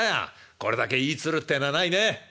これだけいい鶴ってえのはないねああ。